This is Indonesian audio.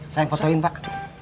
saya fotoin pak